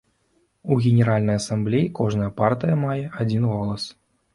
У генеральнай асамблеі кожная партыя мае адзін голас.